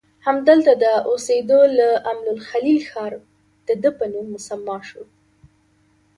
همدلته د اوسیدو له امله الخلیل ښار دده په نوم مسمی شو.